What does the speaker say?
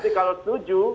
tapi kalau setuju